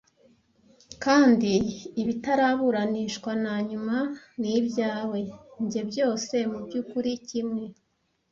Kandi ibitaraburanishwa na nyuma ni ibyawe, njye, byose, mubyukuri kimwe.